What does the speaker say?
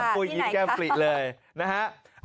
พูดอีกแก้มกลิ่นเลยนะฮะ